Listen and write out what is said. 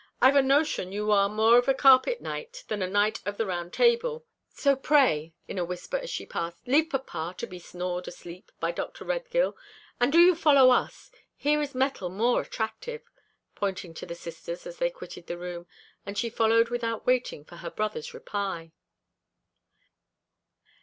I've a notion you are more of a carpet knight than a knight of the round table; so pray," in a whisper as she passed, "leave papa to be snored asleep by Dr. Redgill, and do you follow us here is metal more attractive," pointing to the sisters, as they quitted the room; and she followed without waiting for her brother's reply.